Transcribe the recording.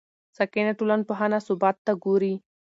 ساکنه ټولنپوهنه ثبات ته ګوري.